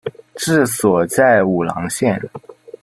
治所在武郎县。